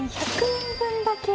１００円分だけ？